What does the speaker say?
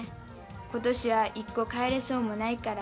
今年はイッコ帰れそうもないから。